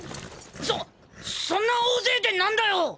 そそんな大勢で何だよ！